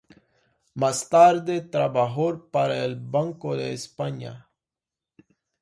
Más tarde trabajó para el Banco de España.